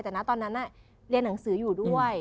แต่นะตอนนั้นเรียนหนังสืออยู่ด้วย